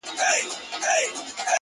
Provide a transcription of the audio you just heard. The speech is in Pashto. دي مــــړ ســي؛